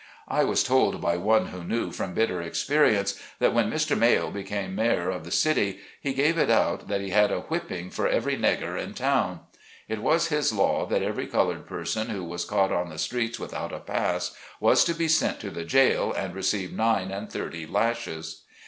I was told by one who knew from bitter experi ence, that when Mr. Mayo became mayor of the city he gave it out, that he had a whipping for " every, negger in town " It was his law that every colored person who was caught on the streets with out a pass, was to be sent to the jail and receive nine and thirty lashes.